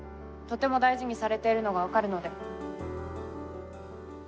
とても大事にされているのがわかるので。